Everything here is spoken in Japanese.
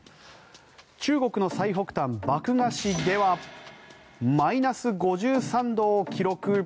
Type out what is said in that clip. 中国の最北端、漠河市ではマイナス５３度を記録。